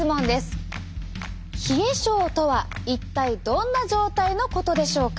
冷え症とは一体どんな状態のことでしょうか？